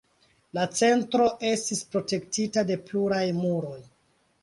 La centro estis protektita de pluraj muroj.